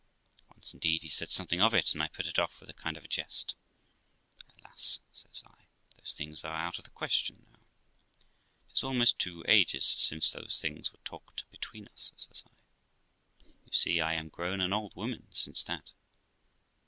Once, indeed, he said something of it, and I put it off with a kind of a jest. 'Alasl' says I, 'those things are out of the question now; 'tis almost two ages since those things were talked between us' says I. 'You see I am grown an old woman since that.'